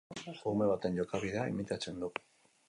Ume baten jokabidea imitatzen du